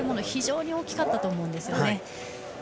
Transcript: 非常に大きかったと思うんですよね。